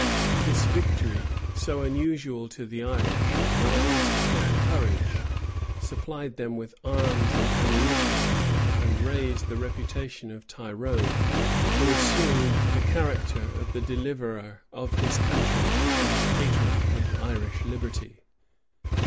This victory, so unusual to the Irish, roused their courage, supplied them with arms and ammunition, and raised the reputation of Tyrone, who assumed the character of the deliverer of his country, and patron of Irish liberty.